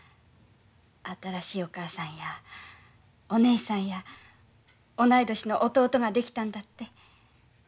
新しいお母さんやお姉さんや同い年の弟ができたんだって？